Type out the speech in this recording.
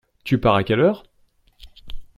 Tu pars à quelle heure?